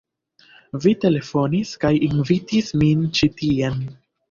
Vi telefonis kaj invitis min ĉi tien.